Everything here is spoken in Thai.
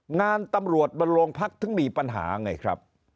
งานตำรวจบนโรงพักถึงมีปัญหาไงครับ